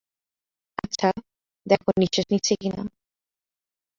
আচ্ছা, দেখো নিশ্বাস নিচ্ছে কিনা।